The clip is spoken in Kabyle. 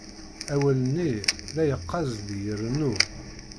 Awal-nni, la yeqqaz deg-i irennu.